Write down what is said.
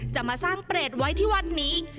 จะมาสร้างเปรตไว้ที่วัดนี้